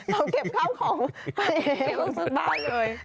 เราเก็บข้าวของไปเอง